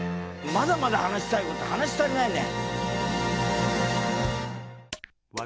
まだまだ話したいこと話し足りないね。